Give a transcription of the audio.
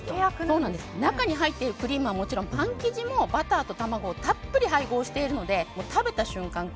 中に入っているクリームはもちろんパン生地もバターと卵をたっぷり配合しているので食べた瞬間